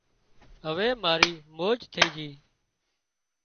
هوي مارِي موج ٿئي جھئي